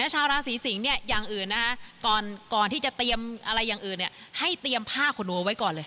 ชาวราศีสิงศ์เนี่ยอย่างอื่นนะคะก่อนที่จะเตรียมอะไรอย่างอื่นให้เตรียมผ้าขนหนูเอาไว้ก่อนเลย